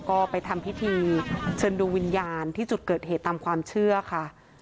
ก็ไปทำพิธีเชิญดวงวิญญาณที่จุดเกิดเหตุตามความเชื่อค่ะ